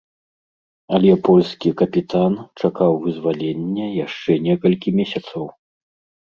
Але польскі капітан чакаў вызвалення яшчэ некалькі месяцаў.